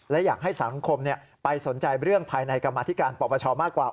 และอยากให้สังคมไปสนใจเรื่องภายในกรรมาธิการปปชมากกว่า